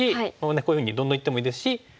こういうふうにどんどんいってもいいですし。